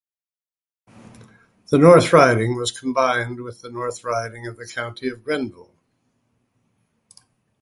The north riding was combined with the North Riding of the County of Grenville.